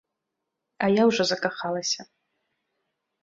А я ўжо закахалася.